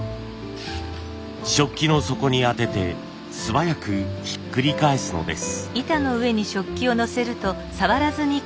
食器の底に当てて素早くひっくり返すのです。